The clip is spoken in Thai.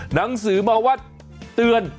หนังสือมาวัดเตือน